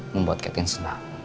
membuat catherine senang